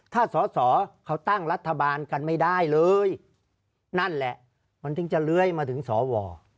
ถ้าสอสอเขาตั้งรัฐบาลกันไม่ได้เลยนั่นแหละมันถึงจะเลื้อยมาถึงสว